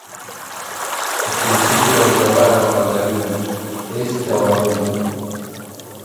mshirikishi wa utawala wa magharibi Esther Wamuyu